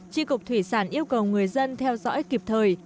tri cục thủy sản yêu cầu người dân theo dõi kịp thời